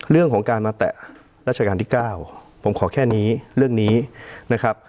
เรื่องของการมาแตะรัชกาลที่๙ผมขอแค่นี้เรื่องนี้นะครับ